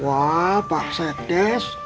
wah pak sekdes